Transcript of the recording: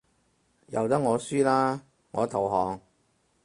由得我輸啦，我投降